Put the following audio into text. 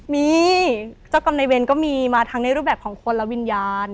มีเจ้ากรรมในเวรก็มีมาทั้งในรูปแบบของคนและวิญญาณ